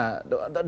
loh terus bagaimana